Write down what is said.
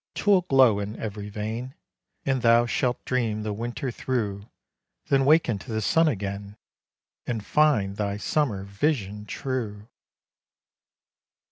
'twill glow in every vein, And thou shalt dream the winter through: Then waken to the sun again, And find thy Summer Vision true!